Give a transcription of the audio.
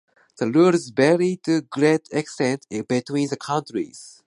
The rules vary to a great extent between the countries.